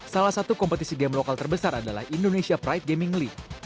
salah satu kompetisi game lokal terbesar adalah indonesia pride gaming league